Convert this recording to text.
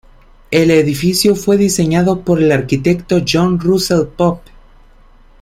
El edificio fue diseñado por el arquitecto John Russell Pope.